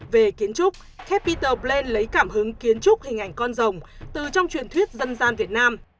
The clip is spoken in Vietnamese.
về kiến trúc capital bland lấy cảm hứng kiến trúc hình ảnh con rồng từ trong truyền thuyết dân gian việt nam